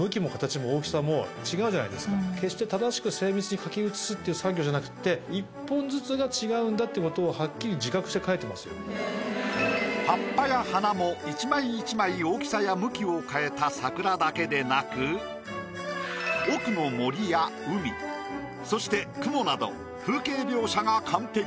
決して正しく精密に描き写すって作業じゃなくってっていうことをはっきり葉っぱや花も１枚１枚大きさや向きを変えた桜だけでなく奥の森や海そして雲など風景描写が完璧。